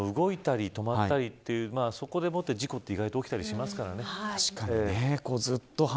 でも、動いたり止まったりというそこで事故って意外と起きたりしますからね。